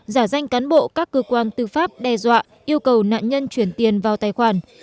giả danh cán bộ các cơ quan tư pháp đe dọa yêu cầu nạn nhân chuyển tiền vào tài khoản